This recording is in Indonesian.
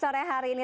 terima kasih fani